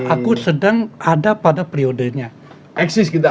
aku sedang ada pada periodenya